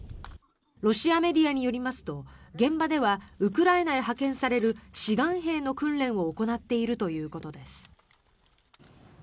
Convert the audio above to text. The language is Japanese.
ロシアメディアによりますと現場ではウクライナへ派遣される志願兵の訓練を行っているということです。